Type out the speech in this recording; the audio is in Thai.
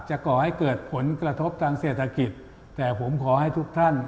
ก่อให้เกิดผลกระทบทางเศรษฐกิจแต่ผมขอให้ทุกท่าน